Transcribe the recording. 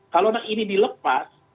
kalau ini dilepas